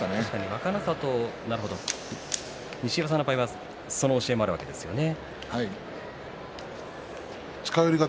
若の里、西岩さんの場合はその教えもあるわけですね。